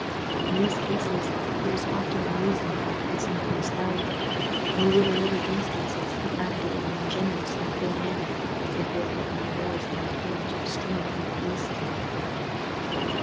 In these cases he was often unreasonable, and sometimes violent; and he would in many instances have acted in an ungenerous and cruel manner if Le Fort had not always been at hand to restrain and appease him.